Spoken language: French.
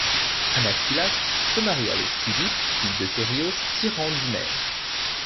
Anaxilas se marie avec Cydippe, fille de Terillos, tyran d'Himère.